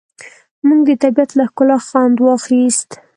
موږ د طبیعت له ښکلا خوند واخیست.